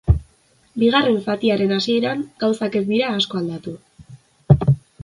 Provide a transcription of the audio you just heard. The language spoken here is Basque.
Bigarren zatiaren hasieran gauzak ez dira asko aldatu.